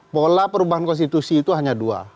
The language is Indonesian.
pola perubahan konstitusi itu hanya dua